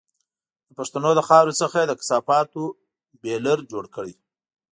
د پښتنو له خاورې څخه یې د کثافاتو بيولر جوړ کړی.